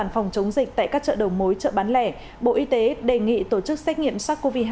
phòng chống dịch tại các chợ đầu mối chợ bán lẻ bộ y tế đề nghị tổ chức xét nghiệm sars cov hai